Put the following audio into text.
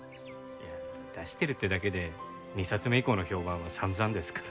出してるってだけで２冊目以降の評判は散々ですから。